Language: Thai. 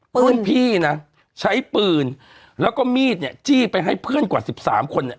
ปืนนะใช้ปืนแล้วก็มีดเนี่ยจี้ไปให้เพื่อนกว่า๑๓คน